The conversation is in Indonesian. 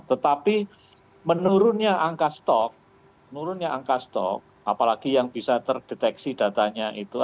tetapi menurunnya angka stok menurunnya angka stok apalagi yang bisa terdeteksi datanya itu